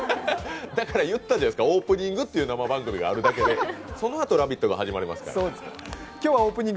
だから言ったじゃないですか、オープニングっていう生番組があるだけでそのあと「ラヴィット！」が始まりますから。